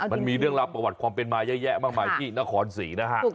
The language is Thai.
มันมีเรื่องราวประวัติความเป็นมาเยอะแยะมากมายที่นครศรีนะฮะ